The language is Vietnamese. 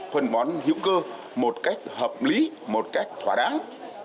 phân bón hữu cơ một cách hợp lý một cách thỏa đáng